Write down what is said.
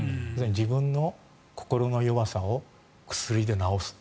自分の心の弱さを薬で治す。